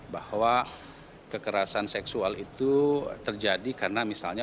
bahwa kekerasan seksual itu terjadi karena misalnya